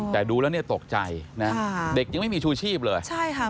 แต่ดูแล้วตกใจนะเด็กยังไม่มีชูชีพเลยนะครับ